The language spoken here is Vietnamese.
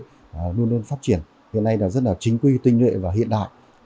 quân đội nhân dân việt nam đã làm nên phát triển hiện nay là rất là chính quy tinh lệ và hiện đại